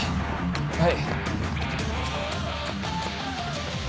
はい。